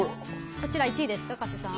こちらが１位ですか、加瀬さん。